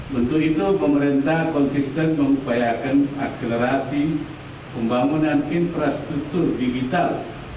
untuk itu pemerintah konsisten mengupayakan akselerasi pembangunan infrastruktur digital